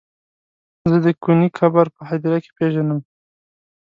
زه د کوني قبر په هديره کې پيژنم.